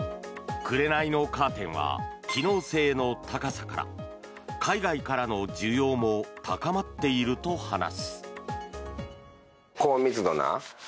くれないのカーテンは機能性の高さから海外からの需要も高まっていると話す。